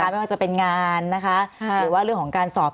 ไม่ว่าจะเป็นงานนะคะหรือว่าเรื่องของการสอบ